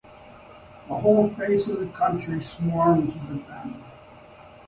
The whole face of the country swarms with them.